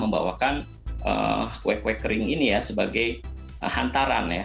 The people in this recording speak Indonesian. membawakan kue kue kering ini ya sebagai hantaran ya